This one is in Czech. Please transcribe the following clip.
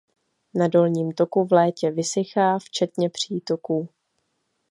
Na dolním toku v létě vysychá včetně přítoků.